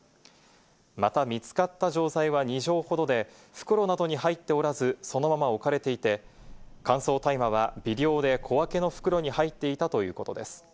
また、見つかった錠剤は２錠ほどで袋などに入っておらず、そのまま置かれていて、乾燥大麻は微量で、小分けの袋に入っていたということです。